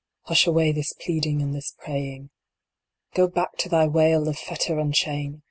Hush away this pleading and this praying. Go back to thy wail of fetter and chain